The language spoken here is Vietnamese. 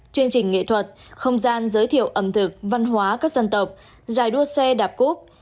chương trình nghệ thuật không gian giới thiệu ẩm thực văn hóa các dân tộc giải đua xe đạp cúp